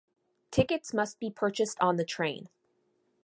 Tickets must be purchased on the train.